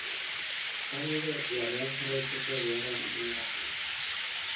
Halere, lanean jarraitzeko beharra azpimarratu du.